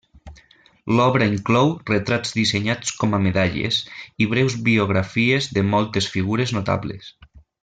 L'obra inclou retrats dissenyats com a medalles, i breus biografies de moltes figures notables.